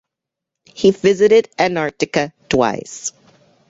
He visited Antarctica twice.